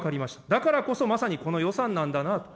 だからこそまさにこの予算なんだなと。